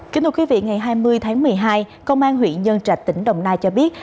kính thưa quý vị ngày hai mươi tháng một mươi hai công an huyện nhân trạch tỉnh đồng nai cho biết